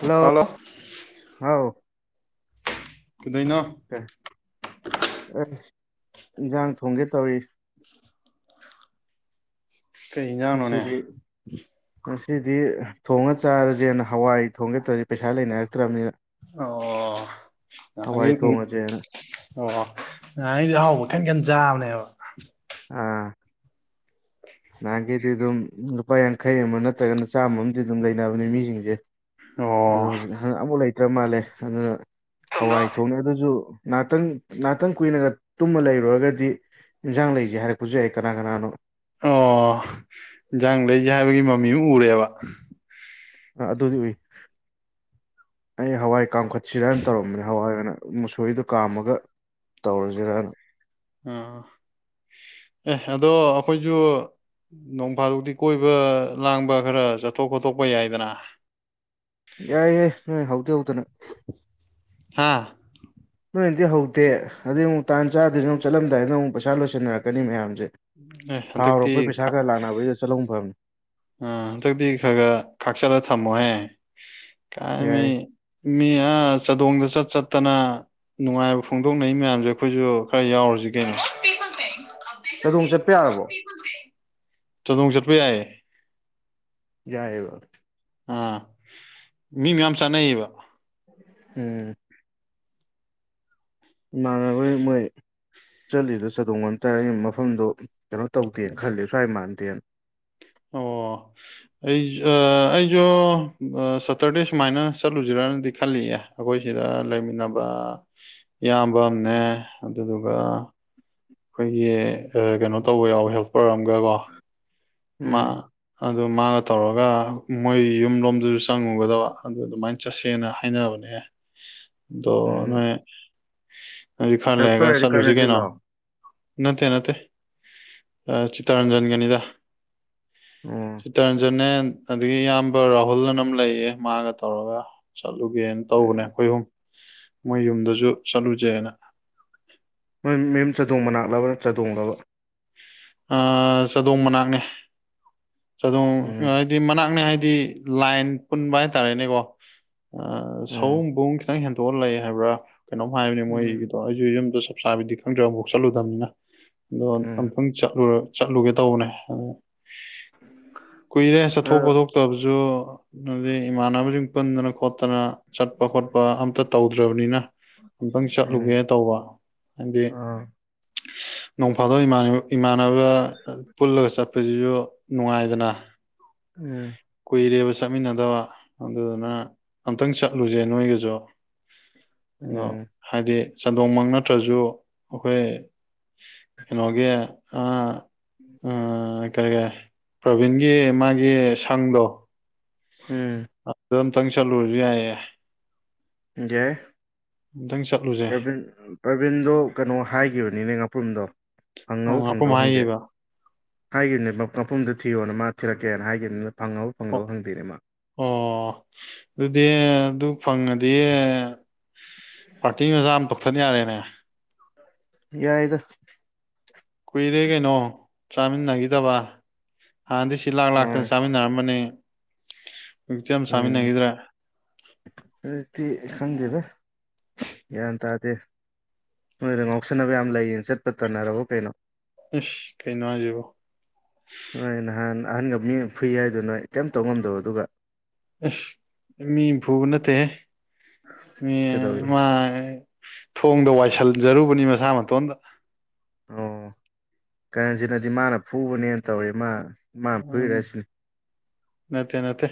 hello ꯍꯥꯎ ꯀꯩꯗꯧꯅꯣ A S ꯏꯟꯖꯥꯡ ꯊꯣꯡꯒꯦ ꯇꯧꯔꯤ ꯀꯩ ꯏꯟꯖꯥꯡꯅꯣꯅꯦ ꯉꯁꯤꯗꯤ ꯉꯁꯤꯗꯤ ꯊꯣꯡꯉ ꯆꯥꯔꯖꯦꯅ ꯍꯋꯥꯏ ꯊꯣꯡꯒꯦ ꯇꯧꯔꯤ ꯄꯩꯁꯥ ꯂꯩꯅꯔꯛꯇ꯭ꯔꯕꯅꯤꯅ ꯑꯣ ꯍꯋꯥꯏ ꯊꯣꯡꯉꯖꯦꯅ ꯑꯣ ꯑꯣ ꯉꯍꯥꯟꯈꯩꯗꯤ ꯑꯍꯥꯎꯕ ꯈꯟ ꯈꯟ ꯆꯥꯕꯅꯦꯕ ꯑꯥ ꯅꯍꯥꯟꯈꯩꯗꯤ ꯑꯗꯨꯝ ꯂꯨꯄꯥ ꯌꯥꯡꯈꯩ ꯑꯃ ꯅꯠꯇ꯭ꯔꯒꯅ ꯆꯥꯝꯃ ꯑꯝꯗꯤ ꯑꯗꯨꯝ ꯂꯩꯅꯕꯅꯦ ꯃꯤꯖꯤꯡꯖꯦ ꯑꯣ [unintelligible] ꯑꯃꯨꯛ ꯂꯩꯇ꯭ꯔ ꯃꯥꯜꯂꯦ ꯑꯗꯨꯅ ꯍꯋꯥꯏ ꯊꯣꯡꯅꯦ ꯑꯗꯨꯖꯨ ꯉꯛꯇꯪ ꯉꯥꯛꯇꯪ ꯀꯨꯏꯅꯒ ꯇꯨꯝꯃ ꯂꯩꯔꯨꯔꯒꯗꯤ ꯏꯟꯖꯥꯡ ꯂꯩꯖꯦ ꯍꯥꯏꯔꯛꯄꯁꯨ ꯑꯩ ꯀꯅꯥ ꯀꯅꯥꯅꯣ ꯑꯣ ꯏꯟꯖꯥꯡ ꯂꯩꯖꯦ ꯍꯥꯏꯕꯒꯤ ꯃꯃꯤ ꯑꯃ ꯎꯔꯦꯕ ꯑꯥ ꯑꯗꯨꯗꯤ ꯎꯏ ꯑꯩ ꯍꯋꯥꯏ ꯀꯥꯝꯈꯠꯁꯤꯔꯅ ꯇꯧꯔꯝꯕꯅꯤ ꯍꯋꯥꯏ ꯑꯣꯏꯅ ꯃꯨꯁꯣꯏꯔꯤꯗꯣ ꯀꯥꯝꯃꯒ ꯇꯧꯔꯖꯤꯔꯅ ꯑꯥ ꯑꯦ ꯑꯗꯣ ꯑꯩꯈꯣꯏꯖꯨ ꯅꯣꯡ ꯐꯥꯗꯣꯛꯇꯤ ꯀꯣꯏꯕ ꯂꯥꯡꯕ ꯈꯔ ꯆꯠꯊꯣꯛ ꯈꯣꯠꯇꯣꯛꯄ ꯌꯥꯏꯗꯅ ꯌꯥꯏ ꯌꯥꯏ ꯅꯣꯏ ꯍꯧꯗꯤ ꯍꯧꯗꯅ ꯍꯥꯥ ꯅꯣꯏꯅꯗꯤ ꯍꯧꯗꯦ ꯑꯗꯨꯗꯩ ꯑꯃꯨꯛ ꯇꯥꯟ ꯆꯥꯗ꯭ꯔꯤꯖꯤꯅ ꯑꯃꯛ ꯆꯠꯂꯝꯗꯥꯏꯗ ꯑꯃꯨꯛ ꯄꯩꯁꯥ ꯂꯣꯏꯁꯟꯅꯔꯛꯀꯅꯤ ꯃꯌꯥꯝꯖꯦ ꯑꯦ ꯊꯥ ꯍꯟꯗꯛꯇꯤ ꯍꯧꯔꯛꯄꯩ ꯄꯩꯁꯥ ꯈꯔ ꯂꯥꯛꯅꯕꯩꯗ ꯆꯠꯂꯧ ꯐꯕꯅꯤ ꯎꯝ ꯑꯗꯨꯗꯤ ꯈꯔ ꯈꯔ ꯈꯥꯛꯆꯜꯂ ꯊꯝꯃꯣꯍꯦ ꯀꯥꯏꯃꯤ ꯌꯥꯏ ꯃꯤ ꯑꯥ ꯆꯥꯗꯣꯡꯗ ꯆꯠ ꯆꯠꯇꯅ ꯅꯨꯡꯉꯥꯏꯕ ꯐꯣꯡꯗꯣꯛꯅꯩ ꯃꯌꯥꯝꯖꯦ ꯑꯩꯈꯣꯏꯁꯨ ꯈꯔ ꯌꯥꯎꯔꯖꯤ ꯀꯩꯅꯣ ꯄꯤꯄꯜ ꯊ [inaudible] ꯆꯗꯣꯡ ꯆꯠꯄ ꯌꯥꯔꯕꯣ ꯆꯥꯗꯣꯡ ꯆꯠꯄ ꯌꯥꯏꯌꯦ ꯌꯥꯏꯌꯦꯕ ꯑꯥ ꯃꯤ ꯃꯌꯥꯝ ꯆꯥꯅꯩꯌꯦꯕ ꯎꯝ ꯏꯃꯥꯟꯅꯕ ꯍꯣꯏ ꯃꯣꯏ ꯆꯠꯂꯤꯗꯣ ꯆꯥꯗꯣꯡ ꯉꯝ ꯇꯔ ꯃꯐꯝꯗꯣ ꯀꯩꯅꯣ ꯇꯧꯗꯦꯅ ꯈꯜꯂꯤ ꯁꯨꯋꯥꯏ ꯃꯥꯟꯗꯦꯅ ꯑꯣ [inaudible] ꯑꯩ ꯑꯩꯖꯨ ꯁꯇꯔꯗꯦ ꯁꯨꯃꯥꯏꯅ ꯆꯠꯂꯨꯖꯤꯔꯅꯗꯤ ꯈꯜꯂꯤꯌꯦ ꯑꯩꯈꯣꯏ ꯁꯤꯗ ꯂꯩꯃꯤꯟꯅꯕ ꯏꯌꯥꯝꯕ ꯑꯃꯅꯦ ꯑꯗꯨꯗꯨꯒ ꯑꯩꯈꯣꯏꯒꯤ ꯀꯩꯅꯣ ꯇꯧꯕ ꯌꯥꯎ ꯍꯦꯜꯄꯔ ꯑꯃꯒꯀꯣ ꯎꯝ ꯃꯥ ꯑꯗꯨ ꯃꯥꯒ ꯇꯧꯔꯒ ꯃꯣꯏ ꯌꯨꯝ ꯂꯣꯝꯗꯁꯨ ꯆꯪꯉꯨꯒꯗꯕ ꯑꯗꯨ ꯑꯗꯨꯃꯥꯏꯅ ꯆꯠꯁꯦꯅ ꯍꯥꯏꯅꯕꯅꯦ [inaudible] ꯑꯗꯣ ꯎꯝ ꯅꯣꯏ ꯍꯧꯖꯤꯛ ꯈꯔ ꯍꯦꯜꯄꯔ ꯂꯩꯔꯒ ꯍꯥꯏꯗꯤ ꯀꯔꯅ ꯆꯠꯂꯨꯖꯤ ꯀꯩꯅꯣ ꯆꯤꯜꯂꯣ ꯑꯣ ꯅꯠꯇꯦ ꯅꯠꯇꯦ ꯆꯤꯇꯔꯟꯖꯟꯒꯅꯤꯗ ꯎꯝ ꯆꯤꯇꯔꯟꯖꯅꯦ ꯑꯗꯒꯤ ꯏꯌꯥꯝꯕ ꯔꯥꯍꯨꯜꯅꯑꯝ ꯂꯩꯌꯦ ꯃꯥꯒ ꯇꯧꯔꯒ ꯆꯠꯂꯨꯒꯦꯅ ꯇꯧꯕꯅꯦ ꯑꯩꯈꯣꯏꯍꯨꯝ ꯃꯣꯏ ꯌꯨꯝꯗꯁꯨ ꯆꯠꯂꯨꯁꯦꯅ ꯃꯣꯏ ꯃꯌꯨꯝ ꯆꯥꯗꯣꯡ ꯃꯅꯥꯛꯂꯕ ꯆꯥꯗꯣꯡꯂꯕ ꯑꯥ ꯆꯥꯗꯣꯡ ꯃꯅꯥꯛꯅꯦ ꯆꯥꯗꯣꯡ ꯎꯝ ꯍꯥꯏꯗꯤ ꯃꯅꯥꯛꯅꯦ ꯍꯥꯏꯗꯤ ꯂꯥꯏꯟ ꯄꯨꯟꯕ ꯍꯥꯏꯇꯥꯔꯦꯅꯦꯀꯣ ꯎꯝ ꯁꯑꯣꯝꯕꯨꯡ ꯈꯤꯇꯪ ꯍꯦꯟꯗꯣꯛꯑ ꯂꯩ ꯍꯥꯏꯕ꯭ꯔꯥ ꯀꯩꯅꯣꯝ ꯍꯥꯏꯕꯅꯤ ꯎꯝ ꯃꯣꯏꯒꯤꯗꯣ ꯑꯩꯁꯨ ꯌꯨꯝꯗ ꯆꯞ ꯆꯥꯕꯤꯗꯤ ꯈꯪꯗ꯭ꯔꯦ ꯑꯃꯨꯛ ꯐꯥꯎ ꯆꯠꯂꯨꯗꯕꯅꯤꯅ ꯑꯗꯣ ꯎꯝ ꯑꯃꯨꯛꯇꯪ ꯆꯠꯂꯨꯔ ꯆꯠꯂꯨꯒꯦ ꯇꯧꯕꯅꯦ ꯑ ꯀꯨꯏꯔꯦ ꯆꯠꯊꯣꯛ ꯎꯝ ꯈꯣꯊꯣꯛꯇꯕꯁꯨ ꯑꯗꯨꯅꯦ ꯏꯃꯥꯟꯅꯕꯁꯤꯡ ꯄꯨꯟꯗꯅ ꯈꯣꯠꯇꯅ ꯆꯠꯄ ꯈꯣꯠꯄ ꯑꯝꯇ ꯇꯧꯗ꯭ꯔꯕꯅꯤꯅ ꯑꯝꯛꯇꯪ ꯆꯠꯂꯨꯒꯦ ꯎꯝ ꯇꯧꯕ ꯍꯥꯏꯗꯤ ꯑ ꯅꯣꯡꯐꯥꯗꯣꯛ ꯏꯃꯥꯟꯅꯕ ꯏꯃꯥꯟꯅꯕ ꯄꯨꯜꯂꯒ ꯆꯠꯄꯁꯤꯁꯨ ꯅꯨꯡꯉꯥꯏꯗꯅ ꯎꯝ ꯀꯨꯏꯔꯦꯕ ꯆꯠꯃꯤꯟꯅꯗꯕ ꯑꯗꯨꯗꯨꯅ ꯑꯝꯇꯪ ꯆꯠꯂꯨꯁꯦ ꯅꯣꯏꯒꯁꯨ ꯎꯝ [inaudible] ꯑꯗꯣ ꯍꯥꯏꯗꯤ ꯆꯟꯗꯣꯡ ꯃꯛ ꯅꯠꯇ꯭ꯔꯁꯨ ꯑꯩꯈꯣꯏ ꯀꯩꯅꯣꯒꯤ ꯑꯃ ꯑꯥ ꯀꯔꯤ ꯀ ꯄ꯭ꯔꯕꯤꯟꯒꯤ ꯃꯥꯒꯤ ꯁꯪꯗꯣ ꯎꯝ ꯑꯗꯨ ꯑꯝꯇꯪ ꯆꯠꯂꯨꯔꯁꯨ ꯌꯥꯏꯌꯦ ꯌꯥꯏ ꯑꯃ ꯇꯪ ꯆꯠꯂꯨꯁꯦ ꯄ꯭ꯔꯕꯤꯟ ꯄ꯭ꯔꯕꯤꯟꯗꯣ ꯀꯩꯅꯣ ꯍꯥꯏꯈꯤꯕꯅꯤꯅꯦ ꯉꯥꯄ꯭ꯔꯨꯝꯗꯣ ꯑꯣ ꯐꯪꯉꯕ ꯉꯥꯄ꯭ꯔꯨꯝ ꯐꯪꯗꯕ ꯈꯪꯗꯦ ꯍꯥꯏꯈꯤꯕ ꯍꯥꯏꯒꯅꯦ ꯃꯐꯝꯗ ꯊꯤꯌꯣꯅ ꯃꯥ ꯊꯤꯔꯛꯀꯦꯅ ꯍꯥꯏꯒꯅꯤꯅ ꯐꯪꯍꯧ ꯐꯪꯍꯧ ꯑꯣ ꯍꯪꯗꯣꯏꯅꯦ ꯃꯥ ꯑꯣ ꯑꯗꯨꯗꯤ ꯑꯗꯨ ꯐꯪꯉꯗꯤ ꯄꯥꯔꯇꯤ ꯃꯆꯥ ꯑꯃ ꯇꯧꯊꯠ ꯌꯥꯔꯦꯅꯦ ꯌꯥꯏꯗ ꯀꯨꯏꯔꯦ ꯀꯩꯅꯣ ꯆꯥꯃꯤꯟꯅꯈꯤꯗꯕ ꯍꯥꯟꯅꯗꯤ ꯁꯤ ꯂꯥꯛ ꯃꯥꯅꯦ ꯂꯥꯛꯇꯅ ꯆꯥꯃꯤꯟꯅꯔꯝꯕꯅꯤ ꯍꯧꯖꯤꯛꯇꯤ ꯑꯃ ꯆꯥꯃꯤꯟꯅꯈꯤꯗ꯭ꯔꯦ ꯍꯟꯗꯛꯇꯤ ꯑꯩꯁꯨ ꯈꯪꯗꯦꯗ ꯒ꯭ꯌꯥꯟ ꯇꯥꯗꯦ ꯅꯣꯏꯗ ꯉꯥꯎꯁꯟꯅꯕ ꯌꯥꯝ ꯂꯩꯌꯦꯅ ꯆꯠꯄ ꯇꯟꯅꯔꯕ ꯀꯩꯅꯣ ꯏꯁ ꯀꯩꯅꯣ ꯍꯥꯏꯁꯤꯕꯣ ꯅꯣꯏ ꯅꯍꯥꯟ ꯑꯍꯟꯒ ꯃꯤ ꯑꯃꯒ ꯐꯨꯏ ꯍꯥꯏꯗꯣ ꯅꯣꯏ ꯀꯩꯝ ꯇꯧ ꯉꯝꯗꯕ ꯑꯗꯨꯒ ꯑꯤꯁ ꯃꯤꯅ ꯐꯨꯕ ꯅꯠꯇꯦꯍꯦ ꯃꯤ ꯀꯩꯗꯧꯋꯤ ꯃꯥ ꯊꯣꯡꯗ ꯋꯥꯏꯁꯤꯟꯖꯔꯨꯕꯅꯤ ꯃꯁꯥ ꯃꯇꯣꯟꯗ ꯑꯣ ꯀꯩꯅꯣꯁꯤꯅꯗꯤ ꯃꯥꯅ ꯐꯨꯕꯅꯦꯅ ꯇꯧꯔꯤ ꯃꯥ ꯃꯥꯅ ꯐꯨꯏꯔ UNINTELLIGIBLE ꯁꯤꯅꯤ ꯅꯠꯇꯦ ꯅꯠꯇꯦ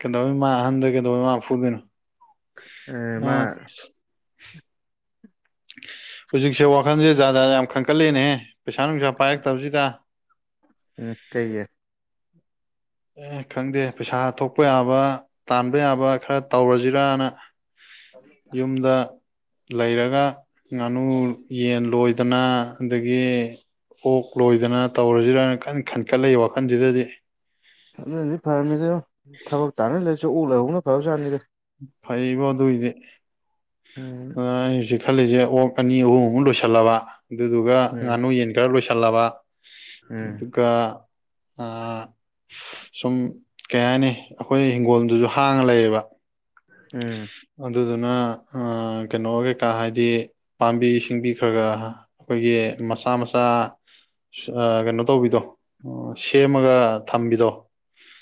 ꯀꯩꯗꯧ ꯃꯥ ꯑꯍꯟꯗ ꯀꯩꯗꯧꯕꯩ ꯃꯥ ꯐꯨꯗꯣꯏꯅꯣ ꯑꯦ ꯃꯥ ꯑ ꯑꯁ ꯍꯧꯖꯤꯛꯁꯦ ꯋꯥꯈꯜꯁꯦ ꯖꯥꯔ ꯖꯥꯗ ꯌꯥꯝ ꯈꯟꯀꯠꯂꯛꯦꯅꯦꯍ ꯄꯩꯁꯥ ꯅꯨꯡꯁꯥ ꯄꯥꯏꯔꯛꯇꯕꯁꯤꯗ ꯎꯝ ꯀꯩꯒꯤ ꯑꯦ ꯈꯪꯗꯦ ꯄꯩꯁꯥ ꯊꯣꯛꯄ ꯌꯥꯕ ꯇꯥꯟꯕ ꯌꯥꯕ ꯈꯔ ꯇꯧꯔꯁꯤꯔꯅ ꯌꯨꯝꯗ ꯂꯩꯔꯒ ꯉꯥꯅꯨ ꯌꯦꯟ ꯂꯣꯏꯗꯅ ꯑꯗꯒꯤ ꯑꯣꯛ ꯂꯣꯏꯗꯅ ꯇꯧꯔꯁꯤꯔꯅ ꯀꯟ ꯈꯟꯀꯠꯂꯛꯏ ꯋꯥꯈꯜꯁꯤꯗꯗꯤ ꯑꯗꯨꯅꯗꯤ ꯐꯔꯝꯅꯤꯗ ꯊꯕꯛ ꯇꯥꯅ ꯂꯩꯁꯔꯨꯛ ꯑꯣꯛ ꯂꯩꯏꯍꯧꯅ ꯐꯕ ꯖꯥꯠꯅꯤꯗ ꯐꯩꯕꯣ ꯑꯗꯨꯏꯗꯤ ꯈꯪꯗꯦꯗ ꯑꯩ ꯍꯧꯖꯤꯛ ꯈꯜꯂꯤꯁꯦ ꯑꯣꯛ ꯑꯅꯤ ꯑꯍꯨꯝ ꯃꯨꯛ ꯂꯣꯏꯁꯜꯂꯕ ꯑꯗꯨꯗꯨꯒ ꯎꯝ ꯉꯥꯅꯨ ꯌꯦꯟ ꯂꯣꯏꯁꯜꯂꯕ ꯎꯝ ꯑꯗꯨꯒ ꯑꯥ ꯁꯨꯝ ꯀꯩ ꯍꯥꯏꯅꯤ ꯑꯩꯈꯣꯏ ꯏꯪꯒꯣꯜꯗꯨꯁꯨ ꯍꯥꯡꯉ ꯂꯩꯌꯦꯕ ꯎꯝ ꯑꯗꯨꯗꯨꯅ ꯀꯩꯅꯣ ꯀꯩꯀꯥ ꯍꯥꯏꯗꯤ ꯄꯥꯝꯕꯤ ꯁꯤꯡꯕꯤ ꯈꯔꯒꯔ ꯑꯩꯈꯣꯏꯒꯤ ꯃꯆꯥ ꯃꯆꯥ ꯀꯩꯅꯣ ꯇꯧꯕꯤꯗꯣ ꯁꯦꯝꯃꯒ ꯊꯝꯕꯤꯗꯣ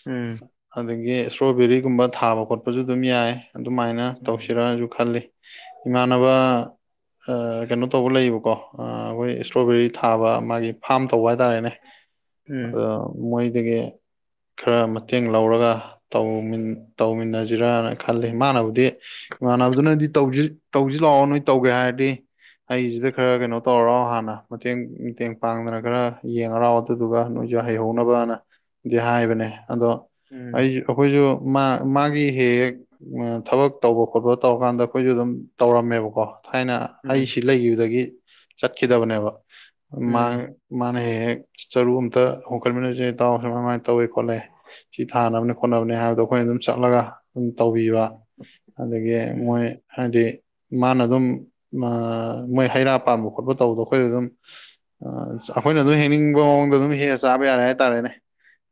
ꯎꯝ ꯑꯗꯒꯤ ꯏꯁꯇ꯭ꯔꯣꯕꯦꯔꯤꯒꯨꯝꯕ ꯊꯥꯕ ꯈꯣꯠꯄꯁꯨ ꯑꯗꯨꯝ ꯌꯥꯏ ꯑꯗꯨꯃꯥꯏꯅ ꯇꯧꯁꯤꯔꯁꯨ ꯈꯜꯂꯤ ꯏꯃꯥꯟꯅꯕ ꯀꯩꯅꯣ ꯇꯧꯕ ꯂꯩꯌꯦꯕꯀꯣ ꯑꯩꯈꯣꯏ ꯏꯁꯇ꯭ꯔꯣꯕꯦꯔꯤ ꯊꯥꯕ ꯃꯥꯒꯤ ꯐꯥꯝ ꯇꯧꯕ ꯍꯥꯏꯇꯥꯔꯦꯅꯦ ꯎꯝ ꯑꯗꯣ ꯃꯣꯏꯗꯒꯤ ꯈꯔ ꯃꯇꯦꯡ ꯂꯧꯔꯒ ꯇꯧꯃꯤꯟꯅꯖ ꯁꯤꯔꯅ ꯈꯜꯂꯤ ꯏꯃꯥꯟꯅꯕꯗꯤ ꯏꯃꯥꯟꯅꯕꯗꯨꯅꯗꯤꯁꯤ ꯇꯧꯁꯤ ꯂꯥꯛꯑꯣ ꯅꯣꯏ ꯇꯧꯒꯦ ꯍꯥꯏꯔꯗꯤ ꯑꯩꯁꯤꯗ ꯈꯔ ꯀꯩꯅꯣ ꯇꯧꯔꯔꯥꯎ ꯍꯥꯟꯅ ꯃꯇꯦꯡ ꯃꯇꯦꯡ ꯄꯥꯡꯗꯅ ꯈꯔ ꯌꯦꯡꯉꯔꯑꯣ ꯑꯗꯨꯗꯨꯒ ꯅꯣꯏꯁꯨ ꯍꯩꯍꯧꯅꯕꯅꯗꯤ ꯍꯥꯏꯕꯅꯦ ꯑꯗꯣ ꯎꯝ ꯑꯩꯁꯨ ꯑꯩꯈꯣꯏꯁꯨ ꯃꯥ ꯃꯥꯒꯤ ꯍꯦꯛ ꯍꯦꯛ ꯊꯕꯛ ꯇꯧꯕ ꯈꯣꯠꯄ ꯇꯧꯔꯀꯥꯟꯗ ꯑꯩꯈꯣꯏꯁꯨ ꯑꯗꯨꯝ ꯇꯧꯔꯝꯃꯦꯕꯀꯣ ꯊꯥꯏꯅ ꯎꯝ ꯑꯩꯁꯤ ꯂꯩꯈꯤꯕꯗꯒꯤ ꯆꯠꯈꯤꯗꯕꯅꯦꯕ ꯃꯥꯥꯡ ꯎꯝ ꯃꯥꯅ ꯍꯦꯛ ꯍꯦꯛ ꯆꯔꯨ ꯑꯝꯇ ꯍꯣꯡꯒꯠꯃꯤꯟꯅꯁꯦ ꯇꯥꯎ ꯁꯨꯃꯥꯏꯃꯥꯏꯅ ꯇꯧꯏꯑ ꯈꯠꯂꯦ ꯁꯤ ꯊꯥꯅꯕꯅꯦ ꯈꯣꯠꯅꯕꯅꯤ ꯍꯥꯏꯕꯗꯣ ꯑꯩꯈꯣꯏꯅ ꯑꯗꯨꯝ ꯆꯠꯂꯒ ꯑꯗꯨꯝ ꯇꯧꯕꯤꯕ ꯑꯗꯒꯤ ꯎꯝ ꯎꯝ ꯃꯣꯏ ꯍꯥꯏꯗꯤ ꯃꯥꯅ ꯑꯗꯨꯝ ꯃꯣꯏ ꯍꯩꯔꯥ ꯄꯥꯟꯕ ꯈꯣꯠꯄ ꯇꯧꯕꯗꯣ ꯑꯩꯈꯣꯏ ꯑꯗꯨꯝ ꯑꯩꯈꯣꯏꯅ ꯑꯗꯨꯝ ꯍꯦꯛꯅꯤꯡꯕ ꯃꯑꯣꯡꯗ ꯑꯗꯨꯝ ꯍꯦꯛꯑ ꯆꯥꯕ ꯌꯥꯔꯦ ꯍꯥꯏꯇꯥꯔꯦꯅꯦ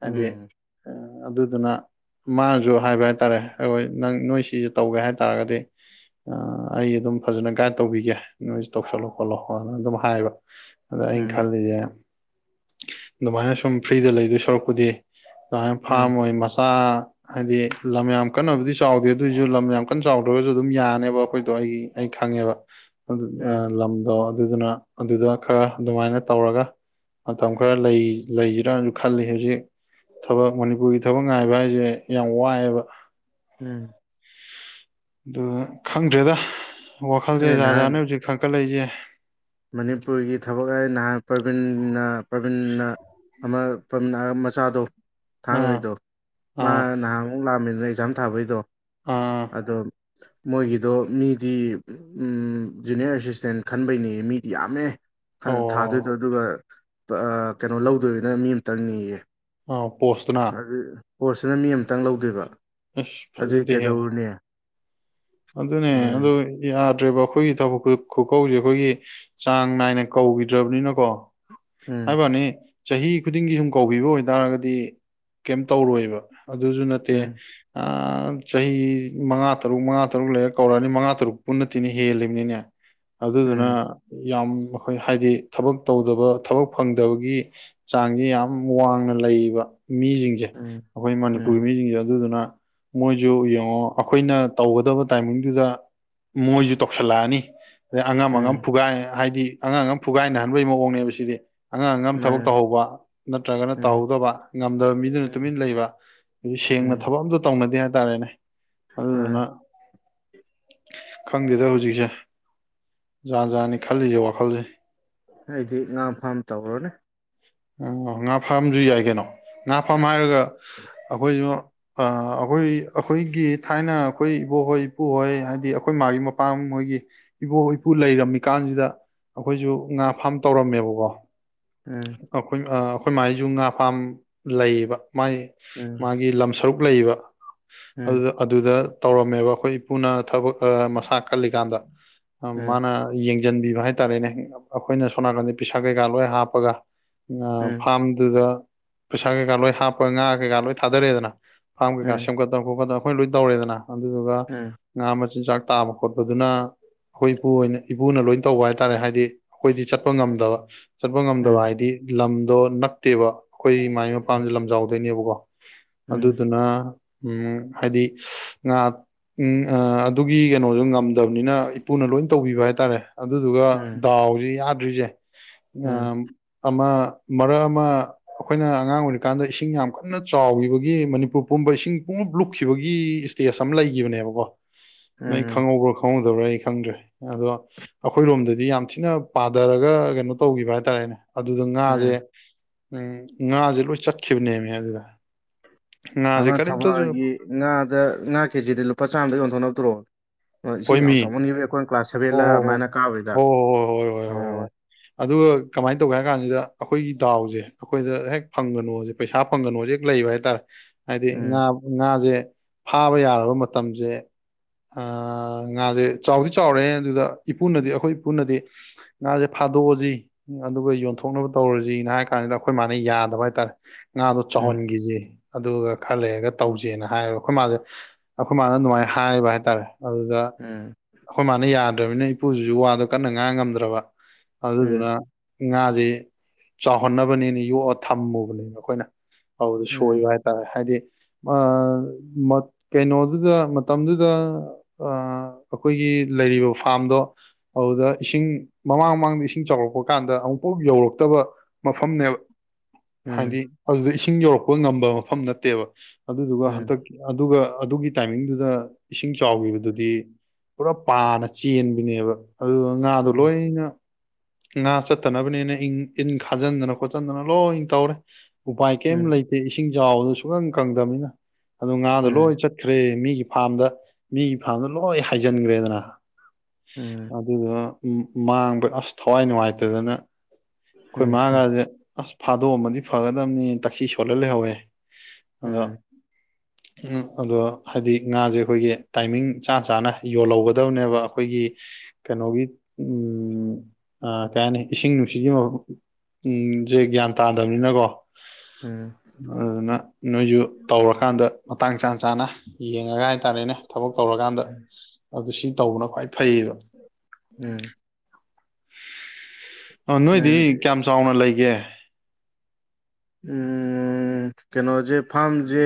ꯍꯥꯏꯗꯤ ꯑꯗꯨꯗꯨꯅ ꯃꯥꯅꯁꯨ ꯍꯥꯏꯕ ꯍꯥꯏꯇꯥꯔꯦ ꯑꯩꯈꯣꯏ ꯅꯪ ꯅꯣꯏ ꯁꯤꯁꯨꯦ ꯇꯧꯒꯦ ꯍꯥꯏꯇꯥꯔꯒꯗꯤ ꯑꯩ ꯑꯗꯨꯝ ꯐꯖꯅ ꯒꯥꯏꯗ ꯇꯧꯕꯤꯒꯦ ꯅꯣꯏꯁ ꯇꯧꯁꯜꯂꯣ ꯈꯣꯠꯂꯣꯅ ꯑꯗꯨꯝ ꯍꯥꯏꯕ ꯑꯗ ꯑꯩꯅ ꯎꯝ ꯈꯜꯂꯤꯁꯦ ꯑꯗꯨꯃꯥꯏꯅ ꯁꯨꯝ ꯐ꯭ꯔꯤꯗ ꯂꯩꯗꯣꯏ ꯁꯣꯔꯔꯛꯄꯨꯗꯤ ꯑꯗꯨꯃꯥꯏꯅ ꯐꯥꯝ ꯎꯝ ꯑꯣꯏ ꯃꯆꯥ ꯍꯥꯏꯗꯤ ꯂꯝ ꯌꯥꯝ ꯀꯟꯅꯕꯨꯗꯤ ꯆꯥꯎꯗꯦ ꯑꯗꯨꯑꯣꯏꯁꯨ ꯂꯝ ꯌꯥꯝ ꯀꯟꯅ ꯆꯥꯎꯗ꯭ꯔꯒꯁꯨ ꯑꯗꯨꯝ ꯌꯥꯅꯦꯕ ꯑꯩꯈꯣꯏꯗꯣ ꯑꯩ ꯑꯩ ꯈꯪꯉꯦꯕ ꯎꯝ ꯂꯝꯗꯣ ꯑꯗꯨꯗꯨꯅ ꯑꯗꯨꯗ ꯈꯔ ꯑꯗꯨꯃꯥꯏꯅ ꯇꯧꯔꯒ ꯃꯇꯝ ꯈꯔ ꯂꯩꯁꯤꯔꯁꯨ ꯈꯜꯂꯤ ꯍꯧꯖꯤꯛ ꯊꯕꯛ ꯃꯅꯤꯄꯨꯔꯒꯤ ꯊꯕꯛ ꯉꯥꯏꯕ ꯍꯥꯏꯁꯦ ꯌꯥꯝ ꯋꯥꯏꯑꯦꯕ ꯎꯝ ꯑꯗꯨ ꯈꯪꯗ꯭ꯔꯦꯗ ꯋꯥꯈꯜꯁꯦ ꯑꯩ ꯖꯍꯥ ꯅꯍꯥꯟ ꯖꯍꯥꯠꯅ ꯍꯧꯖꯤꯛ ꯈꯟꯒꯠꯂꯛꯏꯁꯦ ꯃꯅꯤꯄꯨꯔꯒꯤ ꯊꯕꯛ ꯍꯥꯏ ꯅꯍꯥꯟ ꯄ꯭ꯔꯕꯤꯟꯅ ꯄ꯭ꯔꯕꯤꯟꯅ ꯑꯃ ꯇꯃꯤꯅ ꯃꯆꯥꯗꯣ ꯑꯥ ꯊꯥꯡꯉꯩꯗꯣ ꯃꯥ ꯑꯥ ꯅꯍꯥꯟꯃꯨꯛ ꯂꯥꯛꯑꯃꯤꯅꯤꯅ ꯑꯦꯛꯖꯥꯝ ꯊꯥꯕꯩꯗꯣ ꯑꯥ ꯑꯗꯣ ꯃꯣꯏꯒꯤꯗꯣ ꯃꯤ ꯗꯤ ꯖꯨꯅꯤꯌꯔ ꯑꯦꯁꯤꯁꯇꯦꯟ ꯈꯟꯕꯩꯅꯤ ꯃꯤꯗꯤ ꯌꯥꯝꯃꯦ ꯑꯣ ꯊꯥꯗꯣꯏꯗꯣ ꯑꯗꯨꯒ ꯀꯩꯅꯣ ꯂꯧꯗꯣꯏꯅ ꯃꯤ ꯑꯃꯇꯪꯅꯤꯌꯦ ꯑ ꯄꯣꯁꯇꯅ ꯑꯗꯨ ꯄꯣꯠꯁꯤꯅ ꯃꯤ ꯑꯃꯇꯪ ꯂꯧꯗꯣꯏꯕ ꯑꯁ ꯑꯗꯨꯗꯤ ꯀꯩꯗꯧꯔꯨꯅꯦ ꯑꯗꯨꯗꯅꯦ ꯑꯗꯨ ꯌꯥꯗ꯭ꯔꯦꯕ ꯑꯩꯈꯣꯏꯒꯤ ꯊꯕꯛ ꯈꯨꯀꯧꯁꯦ ꯑꯩꯈꯣꯏꯒꯤ ꯆꯥꯡ ꯅꯥꯏꯅ ꯀꯧꯈꯤꯗ꯭ꯔꯕꯅꯤꯅꯀꯣ ꯎꯝ ꯍꯥꯏꯕꯅꯤ ꯆꯍꯤ ꯈꯨꯗꯤꯡꯒꯤ ꯁꯨꯝ ꯀꯧꯕꯤꯕ ꯑꯣꯏꯇꯥꯔꯒꯗꯤ ꯀꯩꯝ ꯇꯧꯔꯣꯏꯕ ꯑꯗꯨꯁꯨ ꯅꯠꯇꯦ ꯎꯝ ꯑ ꯆꯍꯤ ꯆꯍꯤ ꯃꯉꯥ ꯇꯔꯨꯛ ꯃꯉꯥ ꯇꯔꯨꯛ ꯇꯔꯨꯛ ꯂꯩꯔ ꯀꯧꯔꯛꯑꯅꯤ ꯃꯉꯥ ꯇꯔꯨꯛ ꯄꯨꯟꯅ ꯇꯤꯅꯤ ꯍꯦꯜꯂꯤꯕꯅꯤꯅꯦ ꯎꯝ ꯑꯗꯨꯗꯨꯅ ꯌꯥꯝ ꯑꫭꯏ ꯍꯥꯏꯗꯤ ꯊꯕꯛ ꯇꯧꯗꯕ ꯊꯕꯛ ꯐꯪꯗꯕꯒꯤ ꯆꯥꯡꯁꯤ ꯌꯥꯝ ꯋꯥꯡꯅ ꯂꯩꯌꯦꯕ ꯃꯤꯁꯤꯡꯁ ꯑꯩꯈꯣꯏ ꯎꯝ ꯎꯝ ꯃꯅꯤꯄꯨꯔꯒꯤ ꯃꯤꯁꯤꯡꯁꯦ ꯑꯗꯨꯗꯨꯅ ꯃꯣꯏꯁꯨ ꯌꯦꯡꯉꯣ ꯑꯩꯈꯣꯏꯅ ꯇꯧꯒꯗꯕ ꯇꯥꯏꯃꯤꯡꯗꯨꯗ ꯃꯣꯏꯁꯨ ꯇꯧꯁꯜꯂꯛꯑꯅꯤ ꯑꯗꯩ ꯑꯉꯝ ꯑꯉꯝ ꯎꯝ ꯐꯨꯒꯥꯏ ꯍꯥꯏꯗꯤ ꯑꯉꯥꯡ ꯑꯃ ꯐꯨꯒꯥꯏꯅꯍꯟꯕꯒꯤ ꯃꯑꯣꯡꯅꯦꯕ ꯁꯤꯗꯤ ꯑꯉꯥꯡ ꯑꯉꯝ ꯊꯕꯛ ꯃꯥꯅꯦ ꯇꯧꯍꯧꯕ ꯅꯠꯇ꯭ꯔꯒꯅ ꯎꯝ ꯇꯧꯍꯧꯗꯕ ꯉꯝꯗꯕ ꯃꯤꯗꯨꯅ ꯎꯝ ꯇꯨꯃꯤꯟ ꯂꯩꯕ ꯍꯧ ꯁꯦꯡꯅ ꯎꯝ ꯊꯕꯛ ꯑꯝꯇ ꯇꯧꯅꯗꯦ ꯍꯥꯏꯇꯥꯔꯦꯅꯦ ꯃꯥꯅꯦ ꯑꯗꯨꯗꯨꯅ ꯈꯪꯗꯦꯗ ꯍꯧꯖꯤꯛꯁꯦ ꯖꯥ ꯖꯥꯅꯤ ꯈꯜꯂꯤꯁꯦ ꯋꯥꯈꯜꯁꯦ ꯑꯩꯗꯤ ꯉꯥꯝ ꯐꯥꯝ ꯇꯧꯔꯣꯅꯦ ꯉꯥ ꯐꯥꯝꯁꯨ ꯌꯥꯏ ꯀꯩꯅꯣ ꯉꯥ ꯐꯥꯝ ꯍꯥꯏꯔꯒ ꯑꯩꯈꯣꯏꯁꯨ ꯑꯩꯈꯣꯏ ꯑꯩꯈꯣꯏꯒꯤ ꯊꯥꯏꯅ ꯑꯩꯈꯣꯏ ꯏꯕꯣꯛꯍꯣꯏ ꯏꯄꯨꯍꯣꯏ ꯍꯥꯏꯗꯤ ꯑꯩꯈꯣꯏ ꯃꯥꯒꯤ ꯃꯄꯥꯍꯣꯏꯒꯤ ꯏꯕꯣꯛ ꯏꯄꯨ ꯂꯩꯔꯝꯃꯤꯀꯥꯟꯁꯤꯗ ꯑꯩꯈꯣꯏꯁꯨ ꯉꯥ ꯐꯥꯝ ꯇꯧꯔꯝꯃꯦꯕꯀꯣ ꯎꯝ ꯑꯩꯈꯣꯏ ꯑꯩꯈꯣꯏ ꯃꯥꯏꯁꯨ ꯉꯥ ꯄꯥꯝ ꯂꯩꯌꯦꯕ ꯃꯥꯏ ꯎꯝ ꯃꯥꯒꯤ ꯂꯝ ꯁꯔꯨꯛ ꯂꯩꯕ ꯎꯝ ꯑꯗꯨꯗ ꯑꯗꯨꯗ ꯇꯧꯔꯝꯃꯦꯕ ꯑꯩꯈꯣꯏ ꯏꯄꯨꯅ ꯊꯕꯛ ꯃꯁꯥ ꯀꯜꯂꯤꯀꯥꯟꯗ ꯎꯝ ꯃꯥꯅ ꯌꯦꯡꯁꯤꯟꯕꯤꯕ ꯍꯥꯏꯇꯥꯔꯦꯅꯦ ꯑꯩꯈꯣꯏꯅ ꯁꯣ ꯅꯥꯀꯟꯗ ꯄꯩꯁꯥ ꯀꯩꯀꯥ ꯂꯣꯏ ꯍꯥꯞꯄꯒ ꯎꯝ ꯐꯥꯔꯝꯗꯨꯗ ꯄꯩꯁꯥ ꯀꯩꯀꯥ ꯂꯣꯏ ꯍꯥꯞꯄ ꯉꯥ ꯀꯩꯀꯥ ꯂꯣꯏ ꯊꯥꯗꯔꯛꯑꯦꯗꯅ ꯐꯥꯝ ꯀꯩꯀꯥ ꯎꯝ ꯎꯝ ꯁꯦꯝꯒꯠꯇꯅ ꯈꯣꯠꯀꯠꯇꯅ ꯑꯩꯈꯣꯏꯅ ꯂꯣꯏ ꯇꯧꯔꯦꯗꯅ ꯑꯗꯨꯗꯨꯒ ꯎꯝ ꯉꯥ ꯃꯆꯤꯟꯖꯥꯛ ꯇꯥꯕ ꯈꯣꯠꯄꯗꯨꯅ ꯑꯩꯈꯣꯏ ꯏꯄꯨ ꯑꯣꯏꯅ ꯏꯄꯨꯅ ꯂꯣꯏ ꯇꯧꯕ ꯍꯥꯏꯇꯥꯔꯦ ꯍꯥꯏꯗꯤ ꯑꯩꯈꯣꯏꯗꯤ ꯆꯠꯄ ꯉꯝꯗꯕ ꯆꯕ ꯉꯝꯗꯕ ꯍꯥꯏꯗꯤ ꯂꯝꯗꯣ ꯅꯠꯇꯦꯕ ꯑꯩꯈꯣꯏ ꯃꯥꯏ ꯎꯝ ꯃꯄꯥꯝꯁꯦ ꯂꯝꯖꯥꯎꯗꯣꯏꯅꯦꯕꯀꯣ ꯎꯝ ꯑꯗꯨꯗꯨꯅ ꯎ ꯍꯥꯏꯗꯤ ꯉꯥ ꯎꯝ ꯑꯗꯨꯒꯤ ꯀꯩꯅꯣꯁꯨ ꯉꯝꯗꯕꯅꯤꯅ ꯏꯄꯨꯅ ꯂꯣꯏ ꯇꯧꯕꯤꯕ ꯍꯥꯏꯇꯥꯔꯦ ꯑꯗꯨꯗꯨꯒ ꯗꯥꯎꯁꯦ ꯌꯥꯗ꯭ꯔꯤꯁꯦ ꯎꯝ ꯑ ꯑꯃ ꯃꯔꯛ ꯑꯃ ꯑꯩꯈꯣꯏꯅ ꯑꯉꯥꯡ ꯑꯣꯏꯔꯤꯀꯥꯟꯗ ꯏꯁꯤꯡ ꯌꯥꯝ ꯀꯟꯅ ꯆꯥꯎꯈꯤꯕꯒꯤ ꯃꯅꯤꯄꯨꯔ ꯄꯨꯝꯕ ꯏꯁꯤꯡ ꯄꯨꯝꯂꯞ ꯂꯨꯞꯈꯤꯕꯒꯤ ꯦꯁ ꯑꯃ ꯂꯩꯈꯤꯕꯅꯦꯕꯀꯣ ꯅꯣꯏ ꯎꯝ ꯈꯪꯍꯧꯕ꯭ꯔꯥ ꯈꯪꯍꯧ ꯑꯩ ꯈꯪꯗ꯭ꯔꯦ ꯑꯗꯣ ꯑꯩꯈꯣꯏꯔꯣꯝꯗꯗꯤ ꯌꯥꯝ ꯊꯤꯅ ꯄꯥꯊꯔꯒ ꯀꯩꯅꯣ ꯇꯧꯈꯤꯕ ꯍꯥꯏꯇꯥꯔꯦꯅꯦ ꯑꯗꯨꯗ ꯉꯥꯁꯦ ꯎꯝ ꯎꯝ ꯉꯥꯁꯦ ꯂꯣꯏ ꯆꯠꯈꯤꯕꯅꯦꯃꯦ ꯑꯗꯨꯗ ꯉꯖꯤꯦ ꯑꯃ ꯀꯔꯤ ꯇꯁꯨ ꯊꯕꯥꯜꯒꯤ ꯉꯥꯗ ꯉꯥ ꯀꯦꯖꯤꯗ ꯂꯨꯄꯥ ꯆꯥꯝꯃꯗ ꯌꯣꯟꯊꯣꯛꯅꯛꯇ꯭ꯔꯣ ꯏꯁꯤꯡ ꯌꯥꯝ ꯍꯣꯏꯃꯤ ꯆꯥꯎꯃꯟꯈꯤꯕ ꯑꯩꯈꯣꯏꯅ ꯀ꯭ꯂꯥꯁ ꯍꯣ ꯁꯦꯚꯦꯜꯗ ꯍꯣ ꯑꯗꯨꯃꯥꯏꯅ ꯀꯥꯕꯩꯗ ꯍꯣ ꯍꯣ ꯍꯣ ꯍꯣꯏ ꯍꯣꯏ ꯍꯣꯏ ꯑꯣ ꯍꯣꯏ ꯑꯗꯨꯒ ꯀꯃꯥꯏꯅ ꯇꯧꯒꯦ ꯍꯥꯏ ꯀꯥꯟꯁꯤꯗ ꯑꯩꯈꯣꯏꯒꯤ ꯗꯥꯎꯁꯦ ꯑꯩꯈꯣꯏꯗ ꯍꯦꯛ ꯐꯪꯒꯅꯣꯁꯦ ꯄꯩꯁꯥ ꯐꯪꯒꯅꯣ ꯍꯧꯖꯤꯛ ꯍꯦꯛ ꯂꯩꯕ ꯍꯥꯏꯇꯥꯔꯦ ꯍꯥꯏꯗꯤ ꯎꯝ ꯉꯥ ꯉꯥꯁꯦ ꯐꯥꯕ ꯌꯥꯔꯕ ꯃꯇꯝꯁꯦ ꯉꯥꯁꯦ ꯆꯥꯎꯗꯤ ꯆꯥꯎꯔꯦ ꯑꯗꯨꯗ ꯏꯄꯨꯅꯗꯤ ꯑꯩꯈꯣꯏ ꯏꯄꯨꯅꯗꯤ ꯉꯥꯁꯦ ꯐꯥꯗꯣꯛꯑꯁꯤ ꯑꯗꯨꯒ ꯌꯣꯟꯊꯣꯛꯅꯕ ꯇꯧꯔꯁꯤꯅ ꯍꯥꯏ ꯀꯥꯟꯁꯤꯗ ꯑꯩꯈꯣꯏ ꯃꯥꯅ ꯌꯥꯗꯕ ꯍꯥꯏꯇꯥꯔꯦ ꯉꯥꯗꯣ ꯎꯝ ꯆꯥꯎꯍꯟꯈꯤꯁꯦ ꯑꯗꯨꯒ ꯈꯔ ꯂꯩꯔꯒ ꯇꯧꯖꯦꯅ ꯍꯥꯏꯌꯦꯕ ꯑꯩꯈꯣꯏ ꯃꯥꯁꯦ ꯑꯩꯈꯣꯏ ꯃꯥꯅ ꯑꯗꯨꯃꯥꯏꯅ ꯍꯥꯏꯕ ꯍꯥꯏꯇꯥꯔꯦ ꯑꯗꯨꯗ ꯎꯝ ꯑꯩꯈꯣꯏ ꯃꯥꯅ ꯌꯥꯗ꯭ꯔꯃꯤꯅꯤꯅ ꯏꯄꯨꯁꯤꯁꯨ ꯋꯥꯗꯣ ꯀꯟꯅ ꯉꯥꯡ ꯉꯝꯗ꯭ꯔꯕ ꯑꯗꯨꯗꯨꯅ ꯎꯝ ꯉꯥꯁꯦ ꯆꯥꯎꯍꯟꯅꯕꯅꯤꯅ ꯌꯣꯛꯑ ꯊꯝꯃꯨꯕꯅꯦꯅ ꯑꯩꯈꯣꯏꯅ ꯑꯗꯨꯗꯨ ꯁꯣꯏꯕ ꯎꯝ ꯍꯥꯏ ꯇꯔꯦ ꯍꯥꯏꯗꯤ ꯀꯩꯅꯣꯗꯨꯗ ꯃꯇꯝꯗꯨꯗ ꯑ ꯑꯩꯈꯣꯏꯒꯤ ꯂꯩꯔꯤꯕ ꯐꯥꯔꯝꯗꯣ ꯑꯗꯨꯗ ꯏꯁꯤꯡ ꯃꯃꯥꯡ ꯃꯃꯥꯡꯗ ꯏꯁꯤꯡ ꯆꯥꯎꯔꯛꯄ ꯀꯥꯟꯗ ꯑꯃꯨꯛꯐꯥꯎ ꯌꯧꯔꯛꯇꯕ ꯃꯐꯝꯅꯦꯕ ꯍꯥꯏꯗꯤ ꯎꯝ ꯑꯗꯨꯗ ꯏꯁꯤꯡ ꯌꯧꯔꯛꯄ ꯉꯝꯕ ꯃꯐꯝ ꯅꯠꯇꯦꯕ ꯑꯗꯨꯗꯨꯒ ꯎꯝ ꯎꯝ ꯎꯝ ꯍꯟꯇꯛ ꯑꯗꯨꯒ ꯑꯗꯨꯒꯤ ꯇꯥꯏꯃꯤꯡꯗꯨꯗ ꯏꯁꯤꯡ ꯆꯥꯎꯈꯤꯕꯗꯨ ꯄꯨꯔꯥ ꯄꯥꯅ ꯆꯦꯟꯕꯅꯦꯕ ꯑꯗꯨꯗꯨ ꯉꯥꯗꯣ ꯂꯣꯏꯅ ꯉꯥ ꯆꯠꯇꯅꯕꯅꯤꯅ ꯏꯪ ꯏꯟ ꯈꯥꯖꯤꯟꯗꯅ ꯈꯣꯠꯆꯟꯗꯅ ꯂꯣꯏ ꯇꯧꯔꯦ ꯎꯄꯥꯏ ꯀꯔꯤꯝ ꯎꯝ ꯂꯩꯇꯦ ꯏꯁꯤꯡ ꯆꯥꯎꯕꯗꯨ ꯁꯨꯛꯇꯪ ꯀꯪꯗꯕꯅꯤꯅ ꯑꯗꯨ ꯉꯥꯗꯣ ꯎꯝ ꯂꯣꯏ ꯎꯝ ꯆꯠ ꯠꯈ꯭ꯔꯦ ꯃꯤꯒꯤ ꯐꯥꯔꯝꯗ ꯃꯤꯒꯤ ꯐꯥꯔꯝꯗ ꯂꯣꯏ ꯍꯥꯏꯖꯤꯟꯈ꯭ꯔꯦꯗꯅ ꯑꯗꯨꯗꯨꯅ ꯃꯥꯡꯕ ꯑꯁ ꯊꯋꯥꯏ ꯅꯨꯡꯉꯥꯏꯇꯗꯅ ꯑꯩꯈꯣꯏ ꯃꯥꯒꯁꯦ ꯑꯁ ꯐꯥꯗꯣꯛꯑꯝꯃꯗꯤ ꯐꯒꯗꯕꯅꯤ ꯇꯛꯁꯤ ꯁꯣꯜꯂ ꯂꯩꯍꯧꯋꯦ ꯑꯗꯣ ꯑꯗꯣ ꯍꯥꯏꯗꯤ ꯉꯥꯁꯦ ꯑꯩꯈꯣꯏꯒꯤ ꯇꯥꯏꯃꯤꯡ ꯆꯥ ꯆꯥꯅ ꯌꯣꯜꯍꯧꯒꯗꯕꯅꯦꯕ ꯑꯩꯈꯣꯏꯒꯤ ꯀꯩꯅꯣꯒꯤ ꯎ ꯀꯩ ꯍꯥꯏꯅꯤ ꯏꯁꯤꯡ ꯅꯨꯡꯁꯤꯠꯒꯤ ꯃꯐꯝ ꯎꯝ ꯁꯦ ꯒ꯭ꯌꯥꯟ ꯇꯥꯗꯕꯅꯤꯅꯀꯣ ꯎꯝ ꯑꯗꯨꯅ ꯅꯣꯏꯁꯨ ꯇꯧꯔꯀꯥꯟꯗ ꯃꯇꯥꯡ ꯆꯥ ꯆꯥꯅ ꯌꯦꯡꯉꯒ ꯍꯥꯏꯇꯥꯔꯦꯅꯦ ꯊꯕꯛ ꯇꯧꯔꯀꯥꯟꯗ ꯑꯗꯨ ꯁꯤ ꯇꯧꯕꯅ ꯈ꯭ꯋꯥꯏ ꯐꯩꯌꯦꯕ ꯎꯝ ꯑ ꯅꯣꯏꯗꯤ ꯀꯌꯥꯝ ꯆꯥꯎꯅ ꯂꯩꯒꯦ ꯎꯝ ꯀꯩꯅꯣꯁꯦ ꯐꯥꯔꯝꯁꯦ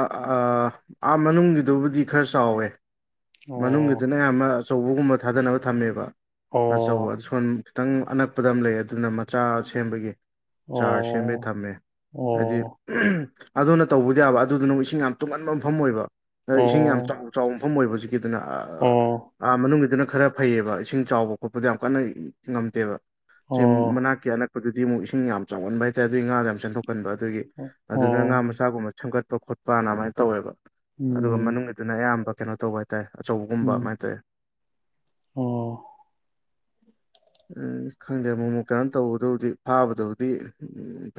ꯑꯥ ꯃꯅꯨꯡꯒꯤꯗꯨꯕꯨꯗꯤ ꯈꯔ ꯆꯥꯎꯋꯦ ꯑꯣ ꯃꯅꯨꯡꯒꯤꯗꯨꯅ ꯑꯌꯥꯝꯕ ꯑꯆꯧꯕꯒꯨꯝꯕ ꯊꯥꯗꯅꯕ ꯊꯝꯃꯦꯕ ꯑꯣ ꯑꯆꯧꯕ ꯁꯣꯟ ꯈꯤꯇꯪ ꯑꯅꯛꯄꯗ ꯑꯃ ꯂꯩ ꯑꯗꯨꯅ ꯃꯆꯥ ꯁꯦꯝꯕꯒꯤ ꯆꯥꯔꯖ ꯁꯦꯝꯃꯦ ꯑꯣ ꯊꯝꯃꯦ ꯍꯥꯏꯗꯤ ꯑꯣ ꯑꯗꯨꯅ ꯇꯧꯕꯗꯤ ꯌꯥꯕ ꯑꯗꯨꯗꯨꯅ ꯑꯃꯨꯛ ꯏꯁꯤꯡ ꯌꯥꯝ ꯇꯨꯡꯍꯟꯕ ꯃꯐꯝ ꯑꯣꯏꯕ ꯏꯁꯤꯡ ꯌꯥꯝ ꯑꯣ ꯆꯥꯎ ꯆꯥꯎꯕ ꯃꯐꯝ ꯑꯣꯏꯕ ꯍꯧꯖꯤꯛꯀꯤꯗꯅ ꯑꯣ ꯑ ꯃꯅꯨꯡꯒꯤꯗꯨꯅ ꯈꯔ ꯐꯩꯌꯦꯕ ꯏꯁꯤꯡ ꯆꯥꯎꯕ ꯈꯣꯠꯄꯗ ꯌꯥꯝ ꯀꯟꯅ ꯉꯝꯗꯦꯕ ꯁ ꯑꯣ ꯃꯅꯥꯛꯀꯤ ꯑꯅꯛꯄꯗꯨꯗꯤ ꯑꯃꯨꯛ ꯏꯁꯤꯡ ꯌꯥꯝ ꯆꯥꯎꯒꯟꯕ ꯍꯥꯏꯇꯥꯔꯦ ꯑꯗꯨꯒꯤ ꯉꯥꯗ ꯌꯥꯝ ꯆꯦꯟꯊꯣꯛꯀꯟꯕ ꯑꯗꯨꯒꯤ ꯑꯗꯨꯅ ꯉꯥ ꯑꯣ ꯃꯆꯥꯒꯨꯝꯕ ꯁꯦꯝꯒꯠꯄ ꯈꯣꯠꯄꯅ ꯑꯗꯨꯃꯥꯏꯅ ꯇꯧꯋꯦꯕ ꯑꯗꯨꯒ ꯎꯝ ꯃꯅꯨꯡꯗ ꯑꯗꯨꯅ ꯑꯌꯥꯝꯕ ꯀꯩꯅꯣ ꯇꯧꯕ ꯍꯥꯏꯇꯥꯔꯦ ꯑꯆꯧꯕꯒꯨꯝꯕ ꯎꯝ ꯑꯗꯨꯃꯥꯏꯅ ꯇꯧꯋꯦ ꯑꯣ ꯎꯝ ꯈꯪꯗꯦ ꯃꯣꯃꯨ ꯀꯩꯅꯣꯝ ꯇꯧꯕꯗꯕꯨꯗꯤ ꯐꯥꯕꯗꯕꯨꯗꯤ ꯎꯝ